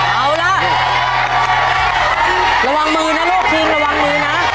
เอาล่ะระวังมือนะลูกทีมระวังมือนะ